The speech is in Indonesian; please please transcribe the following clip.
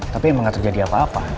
tapi emang gak terjadi apa apa